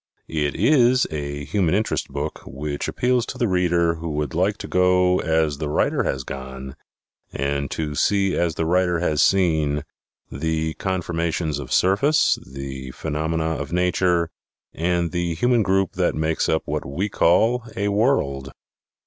It is a Human Interest book which appeals to the reader who would like to go as the writer has gone and to see as the writer has seen the conformations of surface, the phenomena of nature and the human group that make up what we call a "world."